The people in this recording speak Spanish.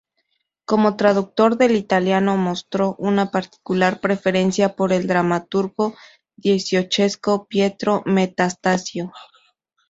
Como traductor del italiano mostró una particular preferencia por el dramaturgo dieciochesco Pietro Metastasio.